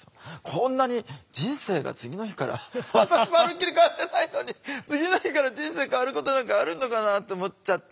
こんなに人生が次の日から私まるっきり変わってないのに次の日から人生変わることなんかあるのかなと思っちゃって。